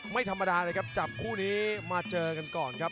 ไม่ธรรมดาเลยครับจับคู่นี้มาเจอกันก่อนครับ